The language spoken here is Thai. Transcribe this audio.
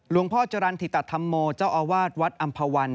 หลวงพ่อจรรย์ธิตถามโมเจ้าอาวาตวัดอัมพวัน